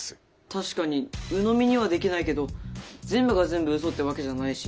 確かにうのみにはできないけど全部が全部うそってわけじゃないし。